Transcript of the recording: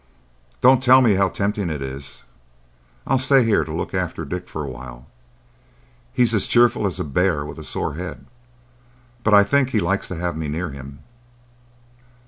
"Don't tell me how tempting it is. I'll stay here to look after Dick for a while. He's as cheerful as a bear with a sore head, but I think he likes to have me near him."